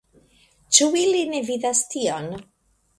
Ĉu ili ne vidas tion.